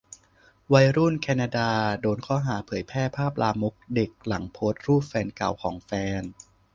วัยรุ่นแคนาดาโดนข้อหาเผยแพร่ภาพลามกเด็กหลังโพสต์รูปแฟนเก่าของแฟน